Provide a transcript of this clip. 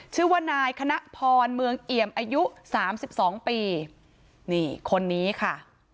ชื่อว่านายคณะพรเมืองเอี่ยมอายุสามสิบสองปีนี่คนนี้ค่ะ